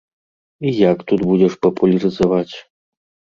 І як тут будзеш папулярызаваць?